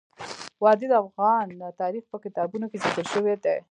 وادي د افغان تاریخ په کتابونو کې ذکر شوی دي.